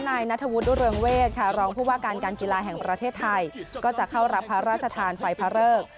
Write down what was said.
นายนัทวุฒิเรืองเวศค่ะรองผู้ว่าการการกีฬาแห่งประเทศไทยก็จะเข้ารับพระราชทานไฟพระเริก